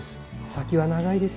先は長いですよ。